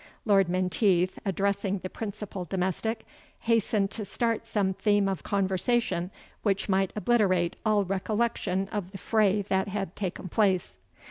Lord Menteith, addressing the principal domestic, hastened to start some theme of conversation which might obliterate all recollection of the fray that had taken place.